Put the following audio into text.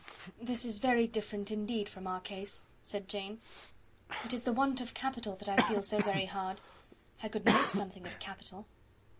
"This is very different, indeed, from our case," said Jane. "It is the want of capital that I feel so very hard. I could make something of capital."